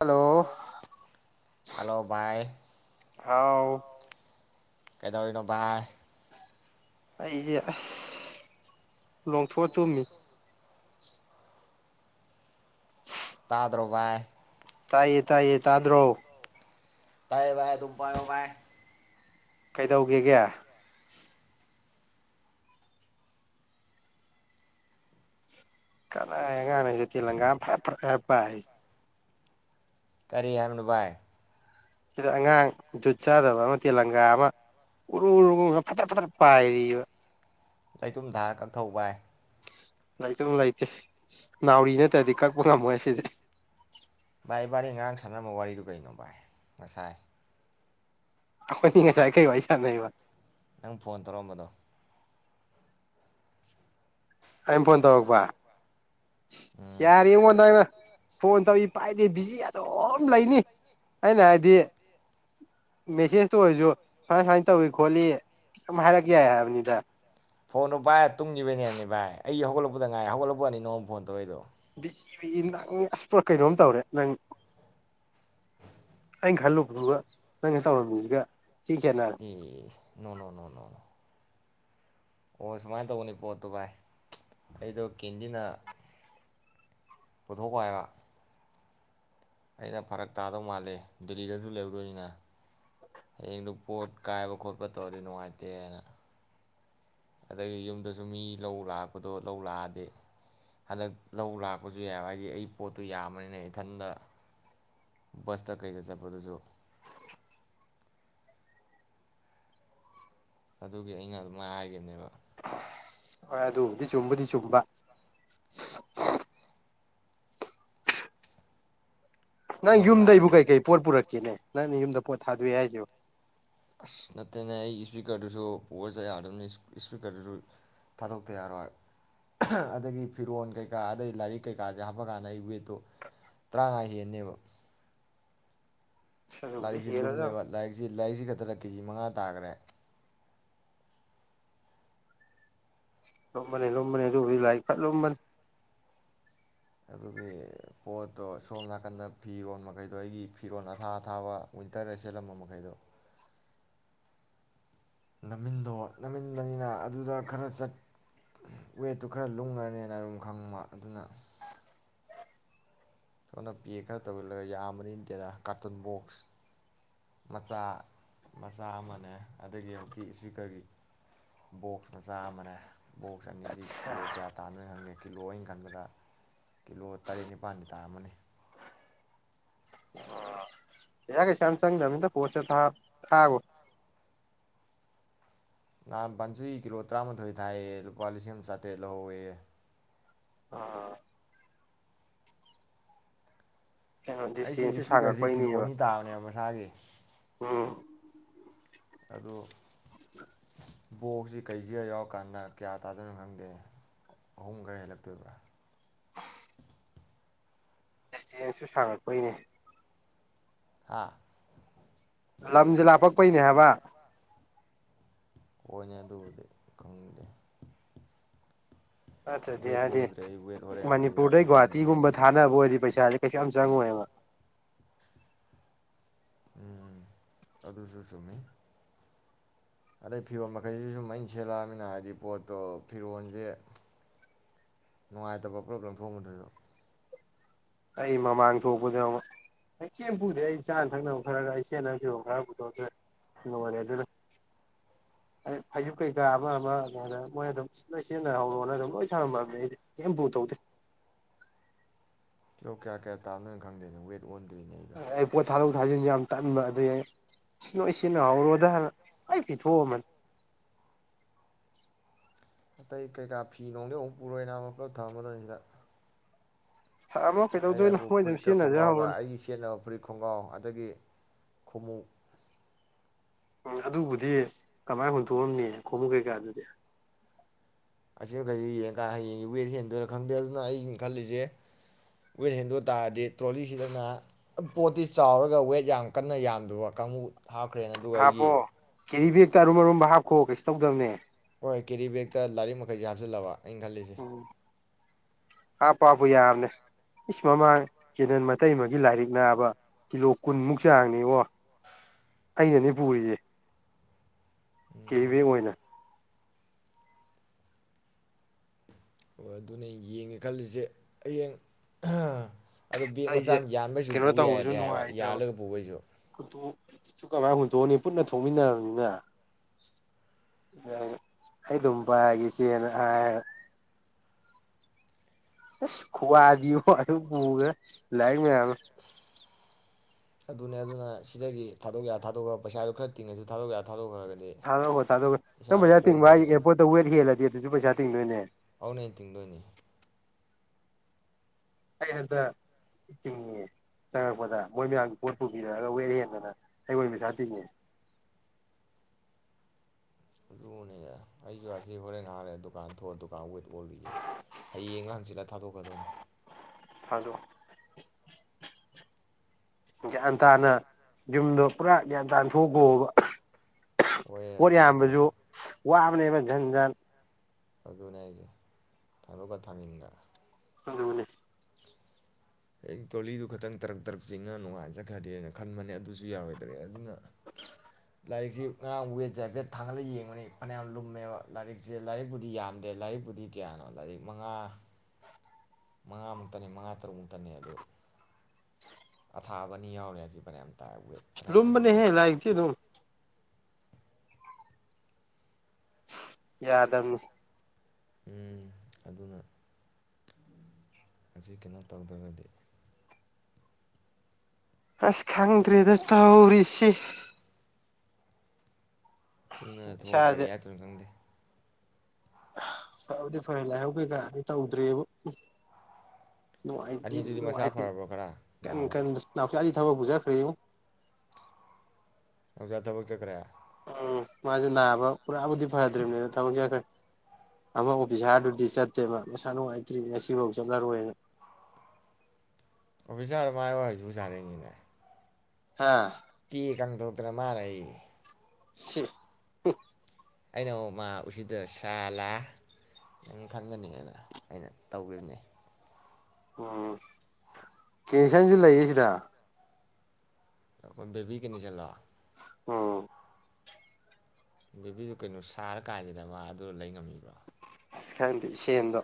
Hello hello ꯕꯥꯏ ꯍꯥꯎ ꯀꯩꯗꯧꯔꯤꯅꯣ ꯚꯥꯏ꯫ ꯑꯩꯁꯦ ꯑꯁ ꯂꯣꯡꯊꯣꯛꯑ ꯇꯨꯝꯃꯤ ꯇꯥꯗ꯭ꯔꯣ ꯚꯥꯏ꯫ ꯇꯥꯏꯌꯦ ꯇꯥꯏꯌꯦ ꯇꯥꯗ꯭ꯔꯣ ꯇꯥꯏꯌꯦ ꯚꯥꯏ ꯑꯗꯨꯝ ꯄꯥꯏꯌꯣ ꯚꯥꯏ꯫ ꯀꯩꯗꯧꯒꯦꯒꯦ ꯀꯅꯥꯏ [unintelligible] ꯚꯥꯏ ꯀꯔꯤ ꯍꯥꯏꯕꯅꯣ ꯚꯥꯏ ꯁꯤꯗ ꯑꯉꯥꯡ ꯖꯨꯠ ꯆꯥꯗꯕ ꯑꯃ ꯇꯦꯜ ꯂꯪꯒꯥ ꯑꯃ ꯎꯔꯨꯔꯨꯉ ꯐꯠꯇ꯭ꯔꯠ ꯐꯠꯇ꯭ꯔꯠ ꯄꯥꯏꯔꯤꯕ ꯂꯩꯇꯨꯝ ꯊꯥꯔ ꯀꯛꯊꯧ ꯕꯥꯢ ꯂꯩꯇꯨꯝ ꯂꯩꯇꯦ ꯅꯥꯎꯔꯤ ꯅꯠꯇ꯭ꯔꯗꯤ ꯀꯛꯄ ꯉꯝꯃꯣꯏ ꯁꯤꯗꯤ ꯚꯥꯏ ꯏꯕꯅꯤ ꯉꯔꯥꯡ ꯁꯥꯟꯅꯝꯕ ꯋꯥꯔꯤꯗꯨ ꯀꯩꯅꯣ ꯚꯥꯏ ꯉꯁꯥꯏ ꯑꯈꯣꯏꯅꯤ ꯉꯥꯁꯥꯏ ꯀꯩ ꯋꯥꯔꯤ ꯁꯥꯅꯩꯕ ꯅꯪ ꯐꯣꯟ ꯇꯧꯔꯛꯑꯝꯕꯗꯣ ꯑꯩꯅ ꯐꯣꯟ ꯇꯧꯔꯛꯄ ꯎꯝ ꯌꯥꯔꯦ [unintelligible] ꯐꯣꯟ ꯇꯧꯏ ꯄꯥꯏꯗꯦ ꯕꯤꯖꯤ ꯑꯗꯨꯝ ꯂꯩꯅꯤ ꯑꯩꯅ ꯍꯥꯏꯗꯤ ꯃꯦꯁꯦꯖꯇ ꯑꯣꯏꯁꯨ ꯁꯨꯃꯥꯏ ꯁꯨꯃꯥꯏꯅ ꯇꯧꯏ ꯈꯣꯠꯂꯤ ꯀꯝ ꯍꯥꯏꯔꯛ ꯌꯥꯏ ꯍꯥꯏꯕꯅꯤꯗ ꯐꯣꯟꯗꯣ ꯚꯥꯏ ꯇꯨꯝꯈꯤꯕꯅꯦꯕꯅꯤ ꯚꯥꯏ ꯑꯩ ꯍꯧꯒꯠꯂꯛꯄꯗ ꯉꯥꯏ ꯍꯧꯒꯠꯂꯛꯄꯒꯅꯤ ꯅꯥꯉꯣꯟꯗ ꯐꯣꯟ ꯇꯧꯔꯛꯏꯗꯣ ꯅꯪ ꯑꯁ ꯄꯨꯔꯥ ꯀꯩꯅꯣꯝ ꯇꯧꯔꯦ ꯅꯪ ꯑꯩꯅ ꯈꯜꯂꯨꯕꯗꯨꯒ ꯅꯪꯅ ꯇꯧꯔꯝꯃꯤꯁꯤꯒ ꯊꯤ ꯈꯦꯠꯅꯔꯦ ꯑꯦ ꯅꯣ ꯅꯣ ꯅꯣ ꯅꯣ ꯑꯣ ꯁꯨꯃꯥꯏꯅ ꯇꯧꯕꯅꯤ ꯄꯣꯠꯇꯨ ꯚꯥꯏ ꯑꯩꯗꯣ ꯀꯦꯟꯗꯤꯅ ꯄꯨꯊꯣꯛꯀꯣ ꯍꯥꯏꯕ ꯑꯩꯅ ꯐꯔꯛ ꯇꯥꯗꯧ ꯃꯥꯜꯂꯦ ꯗꯦꯂꯤꯗꯁꯨ ꯂꯩꯗꯣꯏꯅꯤꯅ ꯍꯌꯦꯡꯗꯨ ꯄꯣꯠ ꯀꯥꯏꯕ ꯈꯣꯠꯄ ꯇꯧꯔꯗꯤ ꯅꯨꯡꯉꯥꯏꯇꯦꯅ ꯑꯗꯒꯤ ꯌꯨꯝꯗꯁꯨ ꯃꯤ ꯂꯧ ꯂꯥꯛꯄꯗꯣ ꯂꯧ ꯂꯥꯛꯑꯗꯤ ꯍꯟꯗꯛ ꯂꯧ ꯂꯥꯛꯄꯁꯨ ꯌꯥꯏ ꯍꯥꯏꯗꯤ ꯑꯩ ꯄꯣꯠꯇꯨ ꯌꯥꯝꯕꯅꯤꯅ ꯏꯊꯟꯇ ꯕꯁꯇ ꯀꯩꯗ ꯆꯠꯄꯗꯨꯁꯨ ꯑꯗꯨꯒꯤ ꯑꯩꯅ ꯑꯗꯨꯃꯥꯏꯅꯥ ꯍꯥꯏꯒꯤꯕꯅꯦꯕ ꯍꯣꯏ ꯑꯗꯨꯕꯨꯗꯤ ꯆꯨꯝꯕꯨꯗꯤ ꯆꯨꯝꯕ ꯅꯪ ꯂꯧ ꯌꯨꯝꯗꯩꯕꯨ ꯂꯥꯛꯑꯒꯗꯤ ꯀꯩꯀꯩ ꯄꯣꯠ ꯄꯨꯔꯛꯀꯦꯅꯦ ꯅꯪ ꯌꯨꯝꯗ ꯄꯣꯠ ꯊꯥꯗꯣꯛꯑ ꯍꯥꯏꯁꯤꯕꯣ ꯑꯁ ꯅꯠꯇꯦꯅꯦ ꯑꯩ ꯏꯁꯄꯤꯀꯔꯗꯨꯁꯨ ꯄꯨꯔꯒꯥ ꯆꯥꯠ ꯌꯥꯔꯣꯏꯗꯕꯅꯤꯅ ꯏꯁꯄꯤꯀꯔꯗꯨꯁꯨ ꯊꯥꯗꯣꯛꯇ ꯌꯥꯔꯣꯏ ꯑꯗꯒꯤ ꯐꯤꯔꯣꯟꯜ ꯀꯩꯀꯥ ꯑꯗꯩ ꯂꯥꯏꯔꯤꯛ ꯀꯩꯀꯥꯁꯦ ꯍꯥꯞꯄ ꯀꯥꯟꯗ ꯑꯩ ꯋꯦꯠꯇꯣ ꯇꯔꯥꯃꯉꯥ ꯍꯦꯟꯅꯦꯕ ꯑꯗꯨꯕꯨꯗꯤ ꯂꯥꯏꯔꯤꯛꯁꯤ ꯍꯦꯜꯂꯗꯕꯅꯤ ꯂꯨꯝꯃꯦꯕ ꯂꯥꯏꯔꯤꯛꯁꯤ ꯂꯥꯏꯔꯤꯛꯁꯤ ꯈꯛꯇꯗ ꯀꯦꯖꯤ ꯃꯉꯥ ꯇꯥꯈꯔꯦ ꯂꯨꯝꯕꯅꯦ ꯂꯨꯝꯕꯅꯦ ꯑꯗꯨꯕꯨꯗꯤ ꯂꯥꯏꯔꯤꯛ ꯐꯖꯅꯥ ꯂꯨꯝꯕꯅꯤ ꯑꯗꯨꯒꯤ ꯄꯣꯠꯇꯣ ꯁꯣꯝ ꯅꯥꯀꯟꯗ ꯐꯤꯔꯣꯜ ꯃꯈꯩꯗꯣ ꯑꯩꯒꯤ ꯐꯤꯔꯣꯜ ꯑꯊꯥ ꯑꯊꯥꯕ ꯋꯤꯟꯇꯔꯗ ꯁꯦꯠꯂꯝꯕ ꯃꯈꯩꯗꯣ ꯅꯝꯃꯤꯟꯗꯣ ꯅꯝꯃꯤꯟꯕꯅꯤꯅ ꯑꯗꯨꯗ ꯈꯔ ꯆꯠ ꯋꯦꯠꯇꯨ ꯈꯔ ꯂꯨꯡꯒꯔꯥꯅꯦꯅ ꯑꯗꯨꯝ ꯈꯪꯕ ꯑꯗꯨꯅ ꯁꯣꯝꯅ ꯄꯦꯛ ꯈꯔ ꯇꯧꯖꯤꯜꯂꯒ ꯌꯥꯝꯕꯅꯤ ꯅꯠꯇꯦꯗ ꯀꯥꯔꯇꯨꯟ ꯕꯣꯛꯁ ꯃꯆꯥ ꯃꯆꯥ ꯑꯃꯅꯦ ꯑꯗꯒꯤ ꯍꯧꯖꯤꯛꯀꯤ ꯏꯁꯄꯤꯀꯔꯒꯤ ꯕꯣꯛꯁ ꯃꯆꯥ ꯑꯃꯅꯦ ꯕꯣꯛꯁ ꯑꯅꯤꯁꯤ ꯑꯠꯁꯥ ꯀꯤꯂꯣ ꯀꯌꯥ ꯇꯥꯅꯅꯣ ꯈꯪꯗꯦ ꯀꯤꯂꯣ ꯑꯩꯅ ꯈꯟꯕꯗ ꯀꯤꯂꯣ ꯇꯔꯦꯠ ꯅꯤꯄꯥꯜꯗꯤ ꯇꯥꯔꯝꯅꯤ ꯄꯩꯁꯥ ꯀꯩꯁꯨꯌꯥꯝ ꯆꯪꯗꯝꯅꯤꯗ ꯄꯣꯁꯇ ꯊꯥ ꯊꯥꯒꯣ [unintelligible] ꯀꯤꯂꯣ ꯇꯔꯥꯃꯥꯊꯣꯏ ꯊꯥꯏꯌꯦꯌꯦ ꯂꯨꯄꯥ ꯂꯤꯁꯤꯡ ꯑꯃ ꯂꯧꯍꯧꯋꯦꯌꯦ ꯑꯥ ꯀꯩꯅꯣ ꯑꯩꯁꯤ ꯗꯤꯁꯇꯦꯟꯁꯁꯨ ꯏꯁꯄꯤꯀꯔꯁꯤ ꯀꯤꯂꯣ ꯁꯥꯡꯉꯛꯄꯩꯅꯦꯕ ꯑꯅꯤ ꯇꯥꯕꯅꯦꯕ ꯃꯁꯥꯒꯤ ꯎꯝ ꯑꯗꯨ ꯕꯣꯛꯁꯤ ꯀꯩꯁꯤꯒ ꯌꯥꯎꯔꯀꯥꯟꯗ ꯀꯌꯥ ꯇꯥꯗꯣꯏꯅꯣ ꯈꯪꯗꯦ ꯑꯍꯨꯝ ꯈꯔ ꯍꯦꯜꯂꯛꯇꯣꯏꯕ꯭ꯔꯥ [unintelligible] ꯁꯥꯡꯉꯛꯄꯩꯅꯦ ꯍꯥꯥ ꯂꯝꯖꯨꯂꯥꯄꯛ [unintelligible] ꯍꯥꯏꯕ ꯍꯣꯏꯅꯦ ꯑꯗꯨꯕꯨꯗꯤ ꯈꯪꯗꯦ ꯅꯠꯇ꯭ꯔꯗꯤ ꯋꯦꯠ ꯍꯥꯏꯗꯤ ꯑꯣꯜꯂꯨꯗ꯭ꯔꯦ ꯑꯩ ꯋꯦꯠ ꯑꯣꯜꯂꯛꯑꯦ ꯑꯁꯤꯗ ꯃꯅꯤꯄꯨꯔꯗꯩ ꯗꯨꯀꯥꯟ ꯒꯨꯍꯥꯇꯤꯒꯨꯝꯕ ꯊꯣꯛꯑꯝꯗꯨꯕꯨ ꯊꯥꯅꯕ ꯑꯣꯏꯔꯗꯤ ꯄꯩꯁꯥꯁꯦ ꯀꯩꯁꯨ ꯌꯥꯝ [unintelligible] ꯎꯝ ꯑꯗꯨꯁꯨ ꯆꯨꯝꯃꯤ ꯑꯗꯩ ꯐꯤꯔꯣꯜ ꯃꯈꯩꯁꯤ ꯁꯨꯝ ꯑꯩꯅ ꯁꯦꯠꯂꯛꯑꯃꯤꯅ ꯍꯥꯏꯕꯗꯤ ꯄꯣꯠꯇꯣ ꯐꯤꯔꯣꯟꯁꯦ ꯅꯨꯡꯉꯥꯏꯇꯕ ꯄꯨꯜꯂꯞ ꯂꯪꯊꯣꯛꯑꯃꯕꯗꯨꯁꯨ ꯑꯩ ꯃꯃꯥꯡ ꯊꯣꯛꯄꯗ ꯑꯃ ꯑꯩ ꯀꯦꯝꯕꯨꯗꯤ ꯑꯩ ꯆꯥꯅ ꯊꯛꯅꯕ ꯈꯔ ꯈꯔ ꯑꯩ ꯁꯦꯟꯅꯈꯤꯕꯔꯣ ꯈꯔꯕꯨꯗꯣ ꯂꯣꯏꯔꯦ ꯑꯗꯨꯅ ꯑꯩ ꯐꯖꯛ ꯀꯩꯀꯥ ꯑꯃ ꯑꯃ ꯑꯗꯨꯃꯥꯏꯅ ꯃꯣꯏ ꯑꯗꯨꯝ ꯂꯣꯏ ꯁꯤꯖꯤꯟꯅꯍꯧꯔꯣꯅ ꯑꯗꯨꯝ ꯂꯣꯏ ꯊꯝꯔꯝꯃꯕꯅꯤ ꯑꯩꯗꯤ ꯀꯩꯝ ꯄꯨꯊꯣꯔꯛꯇꯦ ꯀꯤꯂꯣ ꯀꯌꯥ ꯀꯌꯥꯥꯅꯣ ꯈꯪꯗꯦꯅ ꯋꯦꯠ ꯑꯣꯟꯗ꯭ꯔꯤꯅꯦ ꯑꯩꯗꯣ ꯑꯩ ꯄꯣꯠ ꯊꯥꯗꯣꯛ ꯊꯥꯖꯤꯟ ꯌꯥꯝ ꯇꯟꯕ ꯑꯗꯨ ꯑꯩ ꯁꯤ ꯅꯣꯏ ꯁꯤꯟꯅꯍꯥꯎꯔꯣꯗ ꯍꯥꯏꯅ ꯂꯣꯏ ꯄꯤꯊꯣꯛꯑꯝꯕꯅꯤ ꯑꯇꯩ ꯀꯩꯀꯥ ꯐꯤ ꯅꯨꯡꯗꯤ ꯑꯃꯨꯛ ꯄꯨꯔꯣꯏꯅ ꯅꯥꯕꯥ ꯄꯨꯂꯞ ꯊꯅꯝꯃꯗꯣꯏꯅꯤ ꯁꯤꯗ ꯊꯝꯃꯣ ꯀꯩꯗꯧꯗꯣꯏꯅꯣ ꯑꯩꯕꯨ ꯃꯣꯏ ꯑꯗꯨꯝ ꯐꯨꯔꯤꯠꯀ ꯈꯣꯡꯒ꯭ꯔꯥꯎꯒ ꯁꯤꯖꯤꯟꯅꯖꯍꯧꯔꯅꯤ ꯑꯩꯒꯤ ꯁꯦꯠꯅꯕ ꯐꯨꯔꯤꯠ ꯈꯣꯡꯒ꯭ꯔꯥꯎ ꯑꯗꯒꯤ ꯈꯨꯃꯨꯛ ꯎꯝ ꯑꯗꯨꯕꯨꯗꯤ ꯀꯃꯥꯏ ꯍꯨꯟꯇꯣꯛꯑꯝꯅꯤ ꯈꯣꯃꯨꯛ ꯀꯩꯀꯥ ꯗꯨꯗꯤ ꯑꯁꯤꯃꯈꯩꯁꯤ ꯌꯦꯡꯉꯀꯥꯟꯗ ꯍꯌꯦꯡ ꯋꯦꯠ ꯍꯦꯟꯗꯣꯏꯅ ꯈꯪꯗꯦ ꯑꯗꯨꯅ ꯑ ꯈꯜꯂꯤꯁꯦ ꯋꯦꯠ ꯍꯦꯟꯗꯣꯏ ꯇꯥꯔꯗꯤ ꯇ꯭ꯔꯣꯂꯤꯁꯤꯗꯅ ꯄꯣꯠꯇꯤ ꯆꯥꯎꯔꯒ ꯋꯦꯠ ꯌꯥꯝ ꯀꯟꯅ ꯌꯥꯝꯗꯕ ꯀꯥꯡꯕꯨ ꯍꯥꯞꯈ꯭ꯔꯦꯅ ꯑꯗꯨꯒ ꯍꯥꯄꯣ ꯑꯩꯒꯤ ꯀꯦꯔꯤꯕꯦꯛꯇ ꯑꯔꯨꯝꯑꯔꯨꯝꯕ ꯍꯥꯞ ꯀꯣ ꯀꯩꯁꯨ ꯇꯧꯗꯕꯅꯦ ꯀꯦꯔꯤꯕꯦꯛꯇ ꯂꯥꯏꯔꯤꯛ ꯃꯈꯩꯁꯦ ꯍꯥꯞꯆꯜꯂꯕ ꯑꯩꯅ ꯈꯜꯂꯤꯖꯦ ꯍꯥꯄꯣ ꯍꯞꯄꯨ ꯌꯥꯕꯅꯦ ꯏꯁ ꯃꯃꯥꯡ ꯀꯤꯔꯟ ꯃꯇꯩꯃꯒꯤ ꯂꯥꯏꯔꯤꯛ ꯅꯥꯕ ꯀꯤꯂꯣ ꯀꯨꯟꯃꯨꯛ ꯆꯥꯡꯅꯤꯕꯣ ꯑꯩꯅꯅꯦ ꯄꯨꯔꯤꯁꯦ ꯀꯦꯔꯤꯕꯦꯒ ꯑꯣꯏꯅ ꯍꯣ ꯑꯗꯨꯅꯦ ꯌꯦꯡꯒꯦ ꯈꯜꯂꯤꯁꯦ ꯍꯌꯦꯡ ꯑꯗꯨ ꯕꯦꯒ ꯃꯆꯥ ꯑꯩꯁꯦ ꯑꯃ ꯌꯥꯟꯕꯩꯁꯨ ꯄꯨ ꯀꯩꯅꯣ ꯌꯥꯏ ꯇꯧꯕꯁꯨ ꯍꯥꯏꯕ ꯌꯥꯜꯂꯒ ꯄꯨꯕꯩꯁꯨ ꯀꯃꯥꯏ ꯍꯨꯟꯇꯣꯛꯑꯅꯤ ꯄꯨꯟꯅ ꯊꯣꯛꯃꯤꯟꯅꯔꯕꯅꯤꯅ ꯑꯩ ꯑꯗꯨꯝ ꯄꯥꯏꯔꯒꯦ ꯏꯆꯦꯅ ꯍꯥꯏꯔꯒ ꯈꯨꯋꯥꯗꯤꯉꯣ ꯑꯗꯨ ꯄꯨꯕꯗ ꯂꯥꯏꯔꯤꯛ ꯃꯌꯥꯝꯅ ꯑꯗꯨꯅꯦ ꯑꯗꯨꯅ ꯁꯤꯗꯒꯤ ꯊꯥꯗꯣꯛ ꯌꯥ ꯊꯥꯗꯣꯛꯑꯒ ꯄꯩꯁꯥꯗꯨ ꯈꯔ ꯇꯤꯡꯉꯁꯨ ꯊꯥꯗꯣꯛ ꯌꯥ ꯊꯥꯗꯣꯛꯈ꯭ꯔꯒꯦ ꯊꯥꯗꯣꯛꯈꯣ ꯊꯥꯗꯣꯛꯈꯔꯣ ꯅꯪ ꯄꯩꯁꯥ ꯇꯤꯡꯕ ꯍꯥꯌꯁꯦ ꯆꯠꯈ꯭ꯔꯅꯤ ꯑꯦꯌꯔꯄꯣꯔꯠꯇ ꯋꯦꯠ ꯍꯦꯜꯂꯗꯤ ꯑꯗꯨꯁꯨ ꯄꯩꯁꯥ ꯇꯤꯡꯗꯣꯏꯅꯦ ꯑꯗꯨꯅ ꯑꯩꯅ ꯇꯤꯡꯗꯣꯏꯅꯤ ꯑꯩ ꯍꯟꯗꯛ ꯇꯤꯡꯉꯦ ꯆꯪꯉꯛꯄꯗ ꯃꯣꯏ ꯃꯌꯥꯝꯒꯤ ꯄꯣꯠ ꯄꯨꯕꯤꯔꯛꯑꯒ ꯋꯦꯠ ꯍꯦꯟꯗꯅ ꯑꯩꯑꯣꯏ ꯄꯩꯁꯥ ꯇꯤꯡꯉꯦ ꯑꯗꯨꯅꯦ ꯑꯩꯒꯤ ꯋꯥꯁꯤ ꯍꯣꯔꯦꯟ ꯉꯍꯥꯛ ꯂꯩꯔꯥ ꯗꯨꯀꯥꯟ ꯊꯣꯛꯑ ꯗꯨ ꯋꯦꯠ ꯑꯣꯜꯂꯤꯌꯦ ꯍꯌꯦꯡꯂꯥ ꯍꯪꯆꯤꯠꯂꯥ ꯊꯥꯗꯣꯛꯈꯔꯗꯧꯅꯦ ꯊꯥꯗꯣꯛ ꯒ꯭ꯌꯥꯟ ꯇꯥꯅ ꯌꯨꯝꯗꯣ ꯄꯨꯔꯥ ꯒ꯭ꯌꯥꯟ ꯇꯥꯅ ꯊꯣꯛꯈꯣꯕ ꯑꯣꯏꯌꯦ ꯄꯣꯠ ꯑꯗꯨꯃꯥꯏꯅ ꯇꯧꯋꯦ ꯌꯥꯝꯕꯁꯨ ꯋꯥ ꯅꯦꯕ ꯖꯟꯖꯥꯟ ꯑꯗꯨꯅꯦ ꯍꯥꯏꯖꯦ ꯊꯡꯗꯣꯛꯀꯥ ꯊꯡꯖꯤꯟꯒꯥ ꯑꯗꯨꯅꯤ ꯇꯔꯣꯂꯤꯗꯨ ꯈꯛꯇꯪ ꯇꯔꯛ ꯇꯔꯛ ꯆꯤꯡꯉꯥ ꯅꯨꯡꯉꯥꯏꯅ ꯆꯠꯈ꯭ꯔꯗꯤꯅ ꯈꯟꯕꯅꯦ ꯑꯗꯨꯁꯨ ꯌꯥꯔꯣꯏꯗꯔꯦ ꯑꯗꯨꯅ ꯂꯥꯏꯔꯤꯛꯁꯤ ꯉꯔꯥꯡ ꯋꯦꯠꯁꯦ ꯍꯥꯏꯐꯦꯠ ꯊꯥꯡꯒꯠꯂ ꯌꯦꯡꯕꯅꯤ ꯐꯅꯌꯥꯝ ꯂꯨꯝꯃꯦꯕ ꯂꯥꯏꯔꯤꯛꯁꯦ ꯂꯥꯏꯔꯤꯛꯄꯨꯗꯤ ꯌꯥꯝꯗꯦ ꯂꯥꯏꯔꯤꯛꯄꯨꯗꯤ ꯀꯌꯥꯅꯣ ꯂꯥꯏꯔꯤꯛ ꯃꯉꯥ ꯃꯉꯥꯃꯨꯛꯇꯅꯤ ꯃꯉꯥ ꯇꯔꯨꯛꯃꯨꯛꯇꯅꯤ ꯑꯗꯨ ꯑꯊꯥꯕꯅꯤ ꯌꯥꯎꯔꯦ ꯑꯁꯤ ꯐꯅꯌꯥꯝ ꯇꯥꯏ ꯋꯦꯠ ꯐꯅꯌꯥꯝ ꯂꯨꯝꯕꯅꯤ ꯂꯨꯝꯃꯦꯕ ꯍꯦ ꯂꯥꯏꯔꯤꯛꯇꯤ ꯑꯗꯨꯝ ꯌꯥꯗꯝꯅꯤ ꯎꯝ ꯑꯗꯨꯅ ꯑꯁꯤ ꯀꯩꯅꯣ ꯇꯧꯗ꯭ꯔꯒꯗꯤ ꯑꯁ ꯈꯪꯗꯔꯦꯗ ꯇꯧ ꯔꯤꯁꯤ ꯌꯨꯝꯗꯅ ꯊꯣꯛꯑ ꯏꯁꯥꯁꯦ ꯀꯥꯔꯤ ꯍꯥꯏꯗꯣꯏꯅꯣ ꯈꯪꯗꯦ ꯐꯕꯨꯗꯤ ꯐꯩ ꯂꯥꯏꯍꯧ ꯀꯩꯀꯥꯗꯤ ꯇꯧꯗ꯭ꯔꯦꯕꯨ ꯅꯨꯉꯥꯏꯗꯤ ꯑꯅꯤꯗꯨꯗꯤ ꯃꯁꯥ ꯅꯨꯡꯉꯥꯏꯇꯦ ꯐꯔꯕ꯭ꯔꯣ ꯈꯔ ꯏꯀꯟ ꯅꯥꯕ ꯀꯟꯕꯖꯦ ꯊꯕꯛꯄꯨ ꯆꯠꯈꯔ꯭ꯦꯉꯣ ꯖꯥ ꯊꯕꯛ ꯆꯠꯈ꯭ꯔꯦ ꯎꯝ ꯃꯥꯁꯨ ꯅꯥꯕ ꯄꯨꯔꯥꯕꯨꯗꯤ ꯐꯗ꯭ꯔꯤꯕꯅꯦ ꯑꯗꯣ ꯊꯕꯛ ꯆꯠꯈꯔꯦ ꯑꯃ ꯑꯣꯐꯤꯁꯥꯔꯗꯨꯗꯤ ꯆꯠꯇꯦꯕ ꯃꯁꯥ ꯅꯨꯡꯉꯥꯏꯇ꯭ꯔꯤ ꯉꯁꯤꯐꯥꯎ ꯆꯠꯂꯔꯣꯏꯅ ꯑꯣꯐꯁꯔ ꯃꯥꯏ ꯍꯩꯊꯤ ꯁꯔꯛꯏꯅꯤꯅꯦ ꯍꯥꯥ ꯀꯤ ꯀꯪꯗꯧꯗ꯭ꯔ ꯃꯥꯔ ꯁꯤ ꯑꯩꯅ ꯑꯃꯣꯛ ꯃꯥ ꯎꯁꯤꯗ ꯁꯥꯂꯥ ꯅꯪ ꯈꯪꯒꯅꯤꯅ ꯑꯩꯅ ꯇꯧꯈꯤꯃꯅꯤ ꯎꯝ ꯀꯦꯟꯁꯟꯁꯨ ꯂꯩꯌꯦ ꯁꯤꯗ [unintelligible] ꯕꯦꯕꯤ ꯀꯟꯗꯤꯁꯣꯟꯂꯣ ꯑꯣ ꯕꯦꯕꯤꯗꯨ ꯀꯩꯅꯣ ꯁꯥꯔ ꯀꯥꯟꯁꯤꯗ ꯃꯥ ꯑꯗꯨ ꯂꯩ ꯉꯝꯃꯤꯕ꯭ꯔꯣ ꯑ ꯈꯥꯟꯗꯤ ꯁꯦꯟꯗꯣ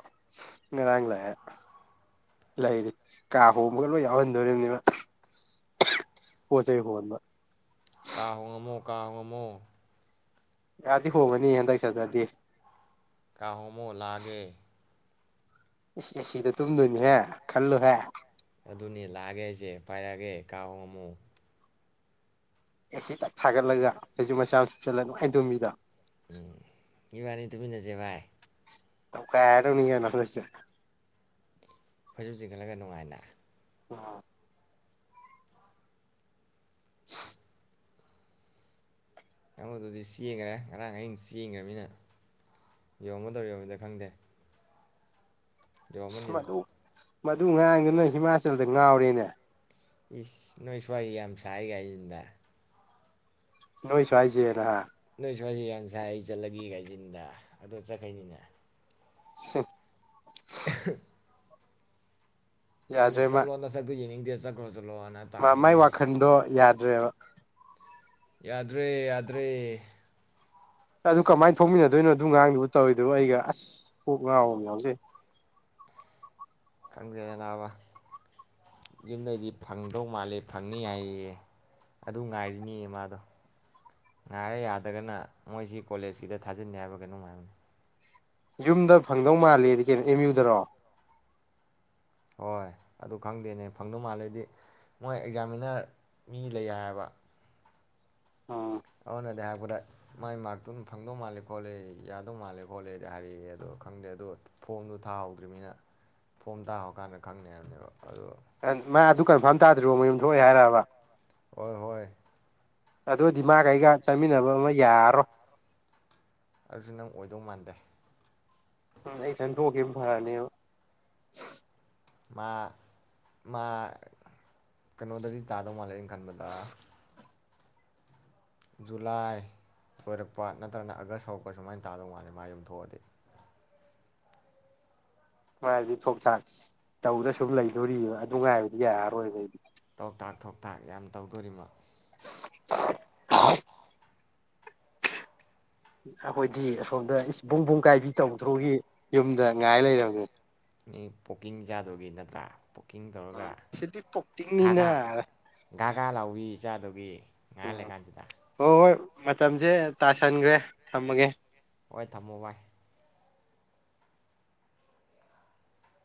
ꯉꯔꯥꯡ ꯂꯥꯛꯑꯦ ꯂꯩꯔ ꯀꯥ ꯍꯣꯡꯕꯒ ꯂꯣꯏ ꯌꯥꯎꯍꯟꯗꯣꯔꯤꯕꯅꯤ ꯃꯥ ꯍꯣ ꯆꯩꯩ ꯐꯣꯟꯕ ꯀꯥ ꯍꯣꯡꯉꯃꯣ ꯀꯥ ꯍꯉꯝꯃꯣ ꯌꯥꯗꯤ ꯍꯣꯡꯉꯅꯤ ꯍꯟꯗꯛ ꯆꯇꯔꯗꯦ ꯀ ꯍꯣꯉꯃꯣ ꯂꯥꯀꯥꯒꯦ ꯑꯦ ꯁꯤꯗ ꯇꯨꯝꯗꯣꯏꯅꯤꯍꯦ ꯈꯜꯂꯨꯍꯦ ꯑꯗꯨꯅꯤ ꯂꯛꯑꯒꯦ ꯍꯥꯢꯁꯦ ꯄꯥꯏꯔꯒꯦ ꯀꯥ ꯍꯣꯡꯃꯨ ꯑꯦꯁꯤ ꯇꯛ ꯊꯥꯒꯠꯂꯒ ꯀꯩꯁꯨ ꯃꯆꯥ ꯁꯨꯞꯆꯜꯂ ꯅꯨꯡꯉꯥꯏꯅ ꯇꯨꯝꯕꯤꯗꯣ ꯎꯝ ꯏꯕꯥꯅꯤ ꯇꯨꯃꯤꯟꯅꯁꯦ ꯚꯥꯏ ꯇꯧꯈꯏꯔꯗꯧꯅꯤꯀꯩꯅꯣ [unintelligible] ꯐꯣꯏꯁꯨ ꯆꯤꯡꯈꯠꯂꯒ ꯅꯨꯡꯉꯥꯏꯅ ꯑ [inaudible] ꯇ ꯑꯝꯗꯨꯗꯤ ꯆꯦꯟꯈꯔꯦ ꯉꯔꯥꯡ ꯑꯍꯤꯡ ꯆꯦꯡꯈ꯭ꯔꯃꯤꯅ ꯌꯣꯝꯒꯗꯧ ꯌꯣꯔꯝꯃꯣꯏꯗꯔꯥ ꯈꯪꯗꯦ ꯌꯥꯔꯥꯃꯅꯤꯗ ꯃꯗꯨ ꯃꯗꯨ ꯉꯥꯡꯗꯨꯅ ꯍꯤꯃꯥꯆꯜꯗ ꯉꯥꯎꯔꯦꯅꯦ ꯏꯁ ꯅꯣꯏ ꯁꯋꯥꯏ ꯌꯥꯝ ꯁꯥꯏꯠ ꯍꯥꯏꯖꯤꯟꯗ ꯅꯣꯏ ꯁꯨꯋꯥꯏꯁꯦꯅ ꯍꯥ ꯑꯩ ꯁ꯭ꯋꯥꯏꯁꯤ ꯌꯥꯝ ꯁꯥꯏ ꯑꯩ ꯆꯠꯂꯒꯦ ꯍꯥꯏꯖꯤꯟꯗ ꯑꯗꯣ ꯆꯠꯈꯅꯤꯃꯤꯅꯦ ꯁꯠ [inaudible] [unintelligible] ꯑꯩꯟ ꯌꯥꯗ꯭ꯔꯦ ꯃꯥ ꯆꯠꯂꯣ ꯅꯥꯁꯛꯇꯣ [unintelligible] ꯃꯥ ꯃꯥꯏ ꯋꯥꯈꯟꯗꯣ ꯌꯥꯗ꯭ꯔꯦꯕ ꯌꯥꯗ꯭ꯔꯦ ꯌꯥꯗ꯭ꯔꯦ ꯑꯗꯨ ꯀꯃꯥꯏꯅ ꯊꯣꯛꯃꯤꯟꯅꯗꯣꯏꯅꯣ ꯑꯗꯨ ꯉꯥꯡꯗꯨ ꯇꯧꯔꯤꯗꯨ ꯑꯩꯒ ꯑꯁ ꯄꯣꯛ ꯉꯥꯎꯕ ꯑꯃꯥ ꯌꯥꯑꯣꯖꯩ ꯈꯪꯗꯦꯗꯥ ꯅꯥꯕ ꯌꯨꯝꯗꯩꯗꯤ ꯐꯪꯗꯧ ꯃꯥꯜꯂꯦ ꯐꯪꯅꯤ ꯍꯥꯏꯌꯦꯌꯦ ꯑꯗꯨ ꯉꯥꯏꯔꯤꯅꯤꯌꯦ ꯃꯥꯗꯣ ꯉꯥꯏꯔ ꯌꯥꯗꯒꯅ ꯃꯣꯏꯁꯤ ꯀꯣꯂꯦꯖꯁꯤꯗ ꯊꯥꯖꯤꯟꯅꯤ ꯍꯥꯏꯕ ꯀꯩꯅꯣꯅꯨꯡꯉꯥꯏꯕꯅꯤ ꯌꯨꯝꯗ ꯐꯪꯗꯧ ꯃꯥꯜꯂꯦꯗꯤ ꯀꯩꯅꯣ ꯑꯦꯝ ꯌꯨꯗꯔꯣ ꯍꯣꯏ ꯑꯗꯨ ꯈꯪꯗꯦꯅꯦ ꯐꯪꯗꯧ ꯃꯥꯜꯂꯦꯗꯤ ꯃꯣꯏ ꯑꯦꯛꯖꯥꯃꯤꯅꯔ ꯃꯤ ꯂꯩ ꯍꯥꯏꯕ ꯑꯣ ꯑꯗꯨꯅꯗꯤ ꯍꯥꯏꯔꯛꯄꯗ ꯃꯥꯏ ꯃꯥꯔꯛꯇꯨꯅ ꯐꯪꯗꯧ ꯃꯥꯜꯂꯦ ꯈꯣꯠꯂꯦ ꯌꯥꯗꯧ ꯃꯥꯜꯂꯦ ꯈꯣꯠꯂꯦꯗꯤ ꯍꯥꯏꯔꯛꯑꯦ ꯑꯗꯣ ꯈꯪꯗꯦ ꯑꯗꯣ ꯐꯣꯝꯗꯣ ꯊꯥꯍꯧꯗ꯭ꯔꯤꯕꯅꯤꯅ ꯐꯣꯝ ꯊꯥꯍꯧꯀꯥꯟꯗ ꯈꯪꯅꯩ ꯍꯥꯏꯕꯅꯦꯕ ꯑꯗꯣ ꯃꯥ ꯑꯗꯨ ꯀꯟꯐꯥꯝ ꯇꯥꯗ꯭ꯔꯤꯕꯣ ꯃꯌꯨꯝ ꯊꯣꯛꯑꯦ ꯍꯥꯏꯔꯕ ꯍꯣꯏ ꯍꯣꯏ ꯑꯣꯗꯨꯏꯗꯤ ꯃꯥꯒ ꯑꯩꯒ ꯆꯥꯃꯤꯟꯅꯕ ꯑꯃ ꯌꯥꯔꯣꯏ ꯑꯗꯨꯁꯨ ꯅꯪ ꯑꯣꯏꯗꯧ ꯃꯥꯟꯗꯦ ꯑꯩ ꯏꯠꯍꯟ ꯊꯣꯈꯤꯃꯟ ꯐꯔꯅꯦ ꯃꯥ ꯃꯥ ꯀꯩꯅꯣꯗꯗꯤ ꯇꯥꯗꯧ ꯃꯥꯜꯂꯦ ꯈꯟꯕꯗꯥ ꯖꯨꯂꯥꯏ ꯂꯣꯏꯔꯛꯄ ꯅꯠꯇ꯭ꯔꯒꯅ ꯑꯥꯒꯁ ꯍꯧꯔꯛꯄ ꯁꯨꯃꯥꯏꯅ ꯇꯥꯗꯧ ꯃꯥꯂꯦ ꯃꯥ ꯌꯨꯝ ꯊꯣꯛꯑꯗꯤ ꯃꯥꯗꯤ ꯊꯣꯡ ꯇꯥꯛ ꯇꯧꯔꯥ ꯁꯨꯝ ꯂꯩꯗꯣꯔꯤ ꯑꯗꯨ ꯉꯥꯏꯕꯗꯤ ꯌꯥꯔꯔꯣꯏꯕ ꯑꯩꯗꯤ ꯊꯣꯛ ꯊꯥꯛ ꯊꯣꯛ ꯊꯥꯛ ꯌꯥꯝ ꯇꯧꯗꯣꯔꯤꯃꯣ [unintelligible] ꯑꯩꯈꯣꯏꯗꯤ ꯑꯁꯣꯝꯗ ꯏꯁ ꯄꯨꯡꯕꯨꯡ ꯀꯥꯏꯕꯤ ꯇꯧꯗ꯭ꯔꯣꯒꯤ ꯌꯨꯝꯗ ꯉꯥꯏ ꯂꯩꯔꯝꯃꯦ ꯃꯤ ꯄꯣꯛꯀꯤꯡ ꯖꯥꯗꯨꯒꯤ ꯅꯠꯇ꯭ꯔꯥ ꯀꯨꯀꯤꯡ ꯎꯝ ꯇꯧꯔꯒ ꯁꯤꯗꯤ ꯄꯣꯛꯇꯤꯡꯅꯤꯅ ꯒꯥ ꯒꯥ ꯂꯥꯎꯕꯤ ꯆꯥꯗꯨꯒꯤ [unintelligible] ꯉꯥꯏꯔ ꯎꯝ ꯂꯩꯔ ꯀꯥꯟꯁꯤꯗ ꯍꯣꯏ ꯍꯣꯏ ꯃꯇꯝꯁꯦ ꯇꯥꯁꯟꯈ꯭ꯔꯦ ꯊꯝꯃꯒꯦ ꯍꯣꯏ ꯊꯝꯃꯣ ꯚꯥꯏ